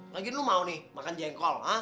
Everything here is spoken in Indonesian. lagian lu mau nih makan jengkol ha